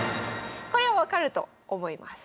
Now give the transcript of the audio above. これは分かると思います。